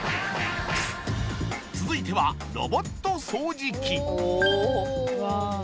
続いてはロボット掃除機